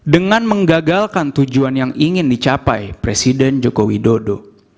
dengan menggagalkan tujuan yang ingin dicapai presiden joko widodo